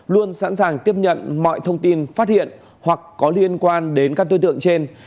luôn sẵn sàng tiếp nhận mọi thông tin phát hiện hoặc có liên quan đến các đối tượng trên